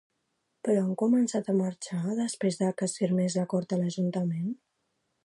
Però han començat a marxar després que es firmés l'acord a l'Ajuntament.